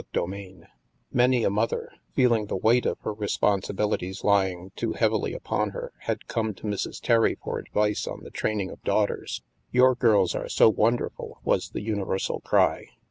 CHAPTER IV Many a mother, feelinp^ the weight of her re sponsibilities lying too heavily upon her, had come to Mrs. Terry for advice on the training of daugh ters. " Your girls are so wonderful," was the uni versal cry.